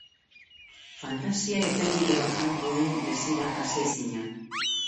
Fantasia irtenbide bakar duen desira aseezina.